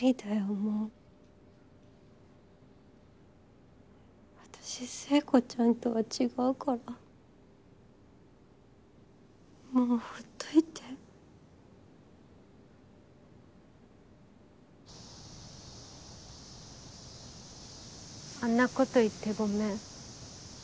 もう私聖子ちゃんとは違うからもうほっといてあんなこと言ってごめん。